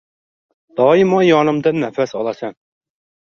Doimo yonimda nafas olasan.